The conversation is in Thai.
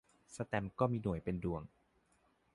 แสตมป์ก็มีหน่วยเป็นดวง